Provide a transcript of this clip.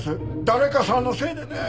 誰かさんのせいでね！